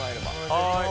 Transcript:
はい。